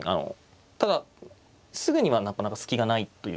ただすぐにはなかなか隙がないというか。